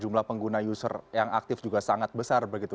jumlah pengguna user yang aktif juga sangat besar begitu